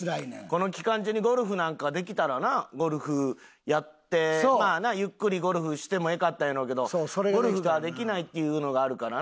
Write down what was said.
この期間中にゴルフなんかができたらなゴルフやってまあなゆっくりゴルフしてもよかったんやろうけどゴルフができないっていうのがあるからな。